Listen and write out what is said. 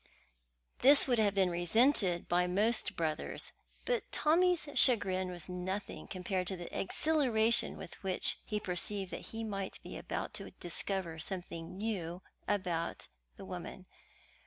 This would have been resented by most brothers, but Tommy's chagrin was nothing compared to the exhilaration with which he perceived that he might be about to discover something new about woman.